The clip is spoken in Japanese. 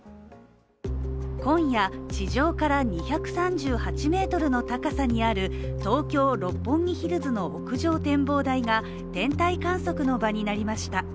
今夜、地上から２３８ｍの高さにある東京・六本木ヒルズの屋上展望台が天体観測の場になりました。